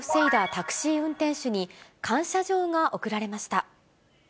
タクシー運転手に、感謝状が贈られました。